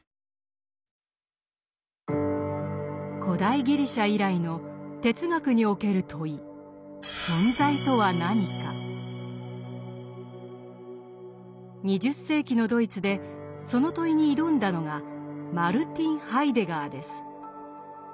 古代ギリシャ以来の哲学における問い２０世紀のドイツでその問いに挑んだのがマルティン・ハイデガーです。